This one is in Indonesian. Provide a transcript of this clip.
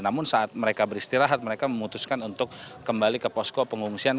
namun saat mereka beristirahat mereka memutuskan untuk kembali ke posko pengungsian